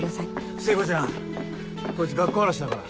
聖子ちゃんこいつ学校荒らしだから。